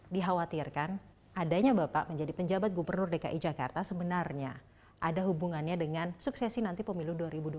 dikhawatirkan adanya bapak menjadi penjabat gubernur dki jakarta sebenarnya ada hubungannya dengan suksesi nanti pemilu dua ribu dua puluh